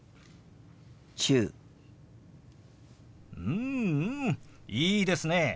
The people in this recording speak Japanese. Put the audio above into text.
うんうんいいですね。